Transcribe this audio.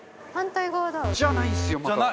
中丸：じゃないんですよ、また。